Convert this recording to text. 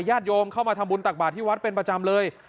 ญาติโยมเข้ามาทำบุญตักบาทที่วัดเป็นประจำเลย